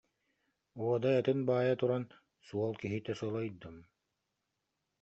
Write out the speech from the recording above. Уодай атын баайа туран: «Суол киһитэ сылайдым